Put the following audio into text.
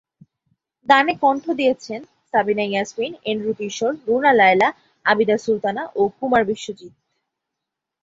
গানে কণ্ঠ দিয়েছেন সাবিনা ইয়াসমিন, এন্ড্রু কিশোর, রুনা লায়লা, আবিদা সুলতানা ও কুমার বিশ্বজিৎ।